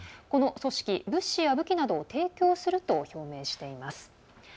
この組織、物資や武器などを提供すると表明しています。